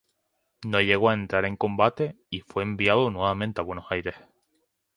No llegó a entrar en combate, y fue enviado nuevamente a Buenos Aires.